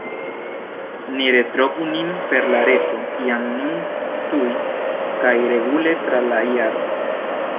Ni retrovu nin per la Reto jam nun tuj kaj regule tra la jaro!